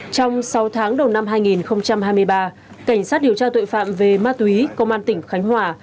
trong sáu tháng đầu năm hai nghìn hai mươi ba cảnh sát điều tra tội phạm về ma túy công an tỉnh khánh hòa